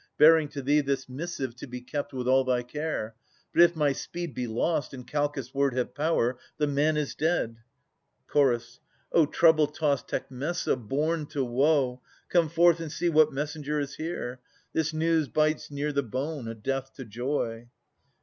Bearing to thee this missive to be kept With all thy care. But if my speed be lost. And Calchas' word have power, the man is dead. Ch. O trouble tost Tecmessa, born to woe. Come forth and see what messenger is here ! This news bites near the bone, a death to joy.